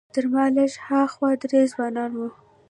تر ما لږ ها خوا درې ځوانان وو.